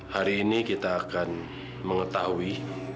hari ini kita akan mengetahui